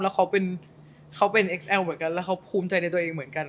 แล้วเขาเป็นเอ็กแอลเหมือนกันแล้วเขาภูมิใจในตัวเองเหมือนกัน